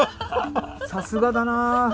さすがだな。